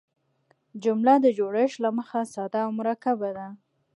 جمله د جوړښت له مخه ساده او مرکبه ده.